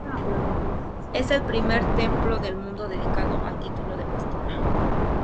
Es el primer templo del mundo dedicado al título de Pastora.